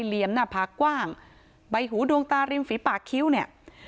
เหลี่ยมหน้าผากกว้างใบหูดวงตาริมฝีปากคิ้วเนี่ย